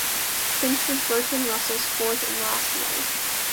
Finch was Bertrand Russell's fourth and last wife.